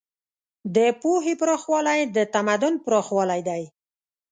د پوهې پراخوالی د تمدن پراخوالی دی.